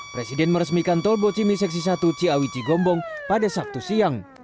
presiden meresmikan tol bocimi seksi satu ciawi cigombong pada sabtu siang